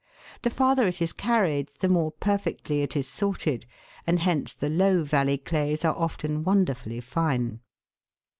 The farther it is carried the more perfectly it is sorted, and hence the low valley clays are often wonderfully fine.